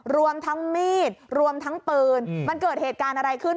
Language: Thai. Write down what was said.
รวมทั้งมีตลูกลงดับและรวมทั้งปื้น